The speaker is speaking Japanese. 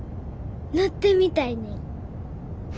乗ってみたいねん。